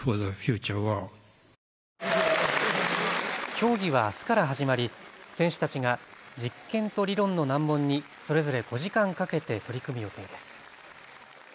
競技はあすから始まり選手たちが実験と理論の難問にそれぞれ５時間かけて取り組む予定です。